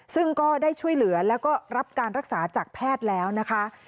ซึ่งก็ได้ช่วยเหลือแล้วก็รับการรักษาจากแพทย์แล้วนะคะ